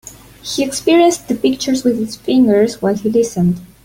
He experienced the pictures with his fingers while he listened.